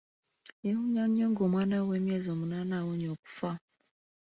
Yeewuunya nnyo ng'omwana we ow'emyezi omunaana awonye okufa.